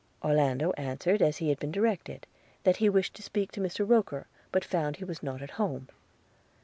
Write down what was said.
Orlando answered as he had been directed, that he wished to speak to Mr Roker, but found he was not at home.